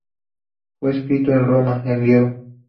Fue escrito en Roma, en griego.